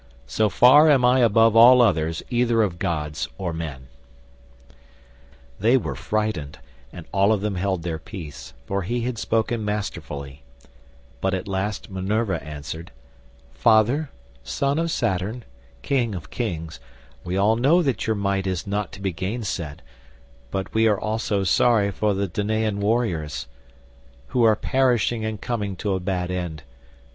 So far am I above all others either of gods or men." They were frightened and all of them of held their peace, for he had spoken masterfully; but at last Minerva answered, "Father, son of Saturn, king of kings, we all know that your might is not to be gainsaid, but we are also sorry for the Danaan warriors, who are perishing and coming to a bad end.